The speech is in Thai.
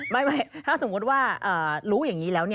ไม่ถ้าสมมุติว่ารู้อย่างนี้แล้ว